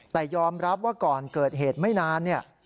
แต่ยอมรับว่าก่อนเกิดเหตุไม่นานเนี่ย